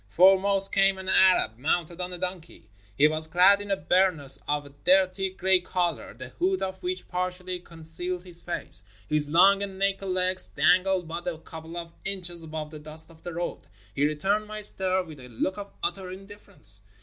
Foremost came an Arab mounted on a donkey. He was clad in a burnous of a dirty gray color, the hood of which partially con cealed his face. His long and naked legs dangled but a couple of inches above the dust of the road. He returned my stare with a look of utter indifference.